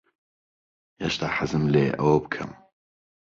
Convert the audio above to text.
هێشتا حەزم لێیە ئەوە بکەم.